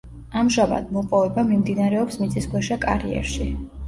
ამჟამად მოპოვება მიმდინარეობს მიწისქვეშა კარიერში.